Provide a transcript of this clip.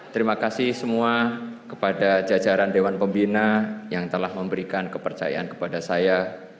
terima kasih semua kepada jajaran dewan pembina yang telah memberikan kepercayaan kepada saya